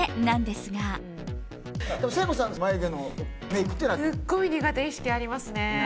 すごい苦手意識ありますね。